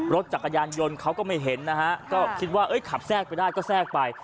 รถจักรยานยนต์เขาก็ไม่เห็นนะฮะก็คิดว่าขับแทรกไปได้ก็แทรกไป